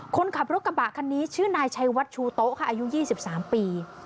คนขับรถกระบะคันนี้ชื่อนายชัยวัดชูโต๊ะค่ะอายุ๒๓ปี